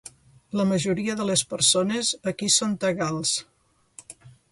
La majoria de les persones aquí són tagals.